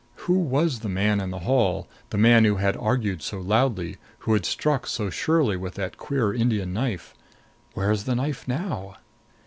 Who was the man in the hall, the man who had argued so loudly, who had struck so surely with that queer Indian knife? Where is the knife now?